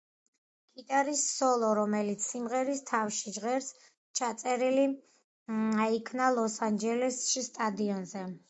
გიტარის სოლო, რომელიც სიმღერის თავში ჟღერს, ჩაწერილი იქნა ლოს-ანჯელესში, სტადიონზე.